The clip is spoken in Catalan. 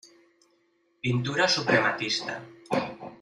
Pintura suprematista.